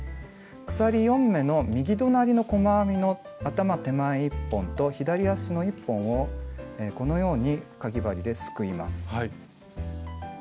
鎖４目の右隣の細編みの頭手前１本と左足の１本をこのようにかぎ針ですくいます。